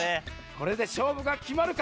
これでしょうぶがきまるか？